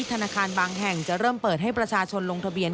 ธนาคารบางแห่งจะเริ่มเปิดให้ประชาชนลงทะเบียน